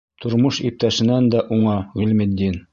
Тормош иптәшенән дә уңа Ғилметдин.